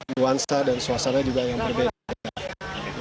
nuansa dan suasana juga yang berbeda